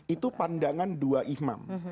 itu pandangan dua imam